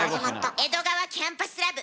「江戸川キャンパスラブ」